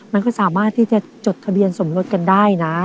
มันก็สามารถที่จะจดทะเบียนสมรสกันได้นะ